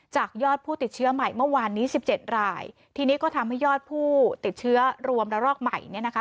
ยอดผู้ติดเชื้อใหม่เมื่อวานนี้สิบเจ็ดรายทีนี้ก็ทำให้ยอดผู้ติดเชื้อรวมระลอกใหม่เนี่ยนะคะ